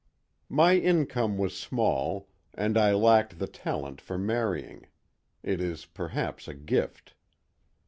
My income was small and I lacked the talent for marrying; it is perhaps a gift.